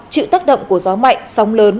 chịu tác động của gió mạnh sóng lớn